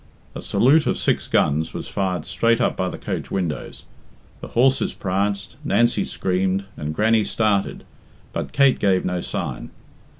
A salute of six guns was fired straight up by the coach windows. The horses pranced, Nancy screamed, and Grannie started, but Kate gave no sign.